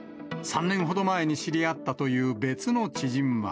３年ほど前に知り合ったという別の知人は。